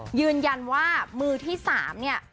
ค่ะยืนยันว่ามือที่สามเนี่ย